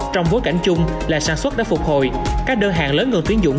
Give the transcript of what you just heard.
trong bối cảnh chung là sản xuất đã phục hồi các đơn hàng lớn ngừng tuyến dụng